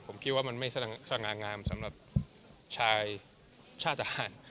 ผมคิดว่ามันไม่สง่างามสำหรับชายชาติทหาร